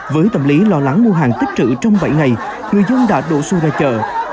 với tâm lý lo lắng mua hàng tích trữ trong bảy ngày người dân đã đổ xô ra chợ